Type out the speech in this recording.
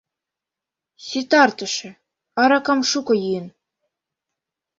Ситартышыже, аракам шуко йӱын.